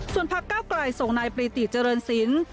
ส่วนพักเก้าไกลส่งนายปรีติเจริญศิลป์